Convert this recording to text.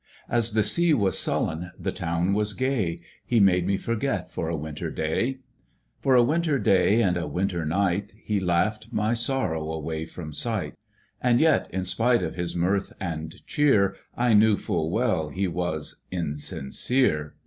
As the Sea was sullen, the Town was gay ; He made me forget for a winter day. 16 A LOVER'S QUARREL For a winter day and a winter night He iaughed my sorrow away from sight. And yet, in spite of his mirth and cheer, I knew full well he was insincere.